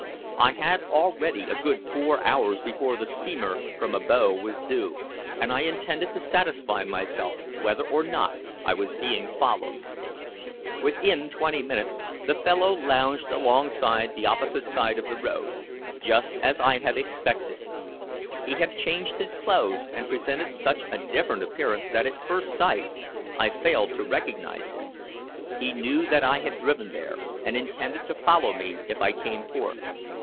I had already a good four hours before the steamer from Abo was due, and I intended to satisfy myself whether or not I was being followed. Within twenty minutes the fellow lounged along on the opposite side of the road, just as I had expected. He had changed his clothes, and presented such a different appearance that at first sight I failed to recognize him. He knew that I had driven there, and intended to follow me if I came forth.